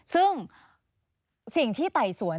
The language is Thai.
ซึ่งสิ่งที่ไต่สวน